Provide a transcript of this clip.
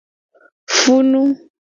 Funu.